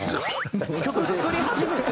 曲作り始めて。